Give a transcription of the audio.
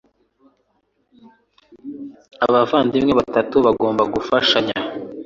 Abavandimwe batatu bagomba gufashanya